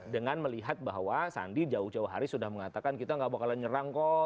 dengan melihat bahwa sandi jauh jauh hari sudah mengatakan kita gak bakalan nyerang kok